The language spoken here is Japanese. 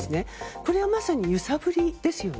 これはまさに揺さぶりですよね。